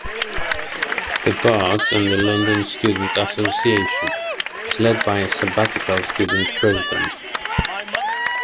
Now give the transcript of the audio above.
The Barts and The London Students' Association is led by a sabbatical student president.